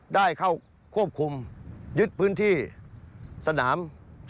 ได้เข้าควบคุมยึดพื้นที่สนามบุรีรัมพ์